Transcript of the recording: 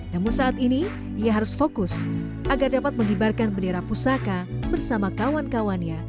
namun saat ini ia harus fokus agar dapat mengibarkan bendera pusaka bersama kawan kawannya